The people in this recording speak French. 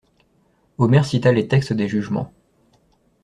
Omer cita les textes des jugements.